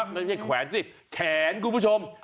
ไม่ใช่แขวนสิแขนคุณผู้ชม